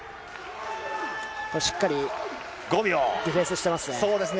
しっかりディフェンスしてまそうですね。